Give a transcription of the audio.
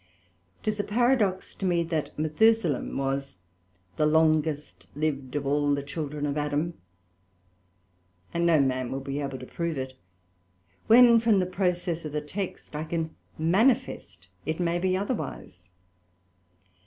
'Tis a Paradox to me, that Methusalem was the longest liv'd of all the Children of Adam: and no man will be able to prove it; when from the process of the Text, I can manifest it may be otherwise.